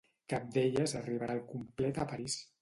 Cap d'elles arribarà al complet a París.